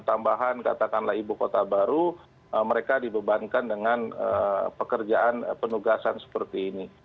tambahan katakanlah ibu kota baru mereka dibebankan dengan pekerjaan penugasan seperti ini